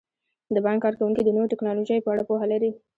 د بانک کارکوونکي د نویو ټیکنالوژیو په اړه پوهه لري.